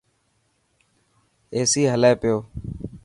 ايسي هلي پيو.